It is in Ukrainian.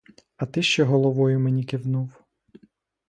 А ти ще головою мені кивнув.